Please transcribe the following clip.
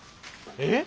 えっ？